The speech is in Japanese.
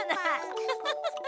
フフフフ。